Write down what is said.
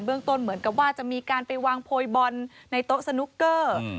ต้นเหมือนกับว่าจะมีการไปวางโพยบอลในโต๊ะสนุกเกอร์